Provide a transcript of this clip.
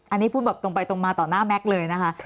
อันนี้พูดแบบตรงไปตรงมาต่อหน้าแม็กซ์เลยนะคะ